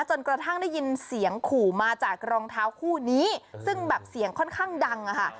จนกระทั่งได้ยินเสียงขู่มาจากรองเท้าคู่นี้ซึ่งแบบเสียงค่อนข้างดังอะค่ะ